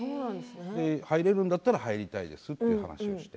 入れるんだったら入りたいですという話をして。